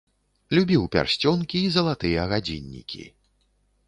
Любіў пярсцёнкі і залатыя гадзіннікі.